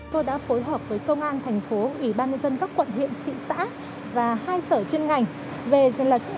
tôi đã phối hợp với công an thành phố ủy ban nhân dân các quận huyện thị xã và hai sở chuyên ngành